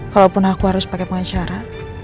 kalaupun aku harus pakai pengacara